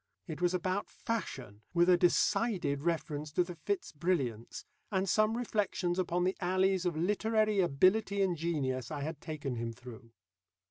It was about Fashion, with a decided reference to the Fitz Brilliants, and some reflections upon the alleys of literary ability and genius I had taken him through.